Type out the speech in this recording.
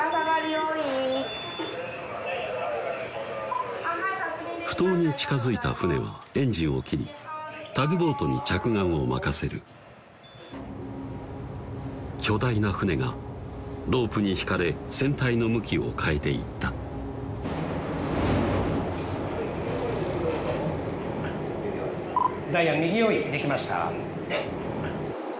用意埠頭に近づいた船はエンジンを切りタグボートに着岸を任せる巨大な船がロープに引かれ船体の向きを変えていったダイアン右用意できました